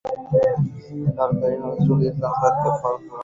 সহকারী শিক্ষক নজরুল ইসলামকে ফরম পূরণের সুযোগ দেওয়ার জন্য অনুরোধ করে।